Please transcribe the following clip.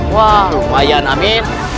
wah lumayan amin